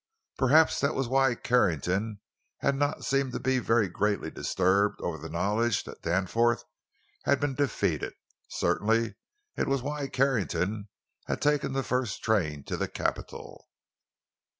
Perhaps that was why Carrington had not seemed to be very greatly disturbed over the knowledge that Danforth had been defeated; certainly it was why Carrington had taken the first train to the capital.